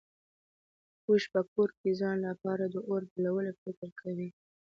اوښ په کور کې ځان لپاره د اور بلولو فکر کوي.